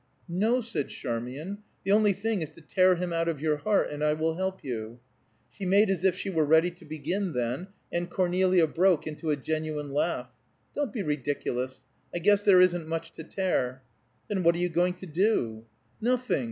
"No," said Charmian. "The only thing is to tear him out of your heart; and I will help you!" She made as if she were ready to begin then, and Cornelia broke into a genuine laugh. "Don't be ridiculous. I guess there isn't much to tear." "Then what are you going to do?" "Nothing!